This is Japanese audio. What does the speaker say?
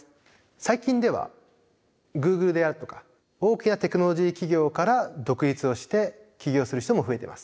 最近ではグーグルであるとか大きなテクノロジー企業から独立をして起業する人も増えてます。